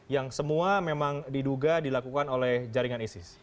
yang semua memang diduga dilakukan oleh jaringan isis